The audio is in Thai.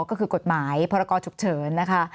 ก็คือกฎหมายพรกรฉุกเฉินนะคะ